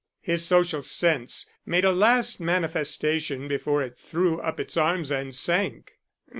His social sense made a last manifestation before it threw up its arms and sank.